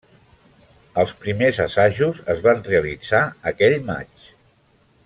Els primers assajos es van realitzar aquell maig.